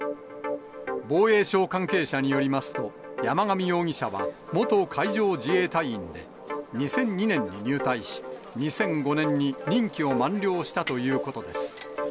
防衛省関係者によりますと、山上容疑者は元海上自衛隊員で、２００２年に入隊し、２００５年に任期を満了したということです。